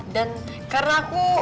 dan karena aku